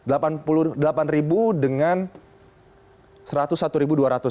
rp delapan puluh delapan dengan rp satu ratus satu dua ratus